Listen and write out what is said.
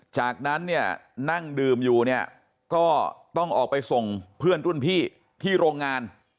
จากนั้นเนี่ยนั่งดื่มอยู่เนี่ยก็ต้องออกไปส่งเพื่อนรุ่นพี่ที่โรงงาน